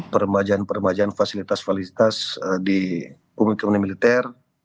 peremajaan peremajaan fasilitas fasilitas di komunikasi militer